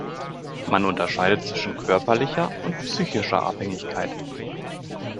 Man unterscheidet zwischen körperlicher und psychischer Abhängigkeit.